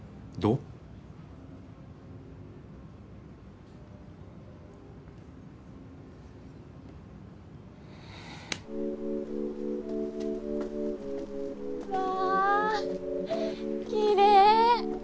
うわぁきれい。